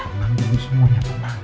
tenang dulu semuanya tenang